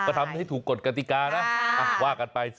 ก็ทำให้ถูกกฎกติกานะว่ากันไป